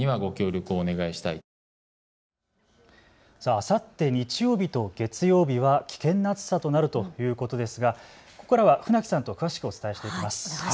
あさって日曜日と月曜日は危険な暑さとなるということですが、ここからは詳しく船木さんとお伝えしていきます。